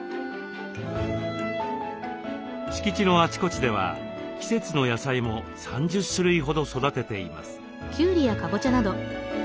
敷地のあちこちでは季節の野菜も３０種類ほど育てています。